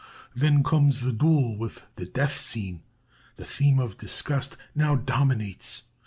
"Then comes the duel, with the death scene. The theme of 'Disgust' now dominates.